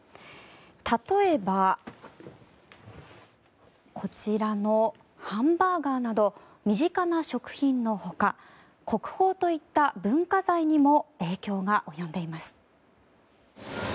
例えばこちらのハンバーガーなど身近な食品の他国宝といった文化財にも影響が及んでいます。